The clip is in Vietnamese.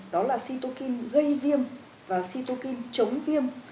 đó là cytokine gây viêm và cytokine chống viêm